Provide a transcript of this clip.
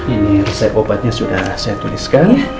ini resep obatnya sudah saya tuliskan